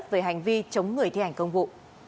về hành vi chống người thi hành công vụ